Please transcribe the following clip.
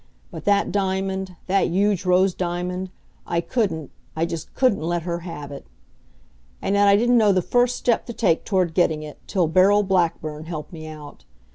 But that diamond, that huge rose diamond, I couldn't, I just couldn't let her have it. And yet I didn't know the first step to take toward getting it, till Beryl Blackburn helped me out.